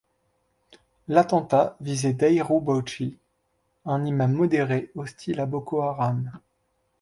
L'attentat visait Dahiru Bauchi, un imam modéré hostile à Boko Haram.